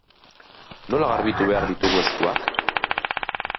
Nola garbitu behar ditugu eskuak?